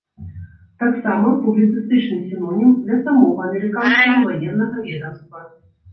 Таксама, публіцыстычны сінонім для самога амерыканскага ваеннага ведамства.